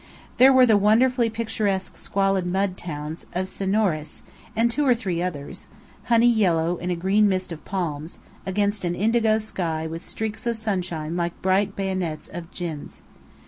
There were the wonderfully picturesque squalid mud towns of Senoures and two or three others, honey yellow in a green mist of palms, against an indigo sky with streaks of sunshine like bright bayonets of Djinns.